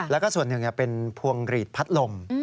แล้วก็ส่วนหนึ่งเป็นพวงหลีดพัดลม